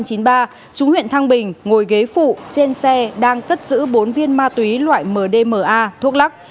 trú huyện thăng bình ngồi ghế phụ trên xe đang cất giữ bốn viên ma túy loại mdma thuốc lắc